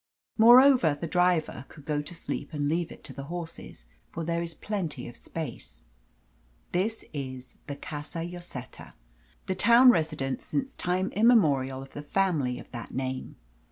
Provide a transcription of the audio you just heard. Moreover, the driver could go to sleep and leave it to the horses, for there is plenty of space. This is the Casa Lloseta, the town residence since time immemorial of the family of that name.